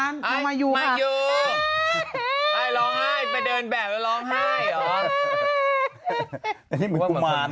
ร้องไห้ไปเดินแบบแล้วร้องไห้หรอ